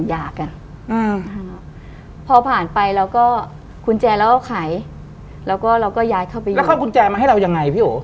อย่างก่อนแล้วค่อยจ่ายทีหลัง